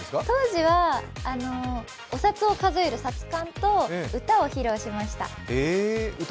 当時は、お札を数える札勘と、歌を披露しました。